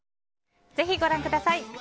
ぜひ、ご覧ください。